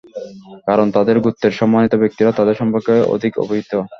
কারণ তাদের গোত্রের সম্মানিত ব্যক্তিরা তাদের সম্পর্কে অধিক অবহিত।